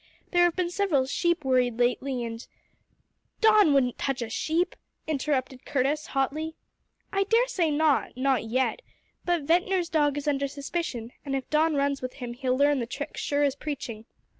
There have been several sheep worried lately, and " "Don wouldn't touch a sheep!" interrupted Curtis hotly. "I daresay not, not yet. But Ventnor's dog is under suspicion, and if Don runs with him he'll learn the trick sure as preaching.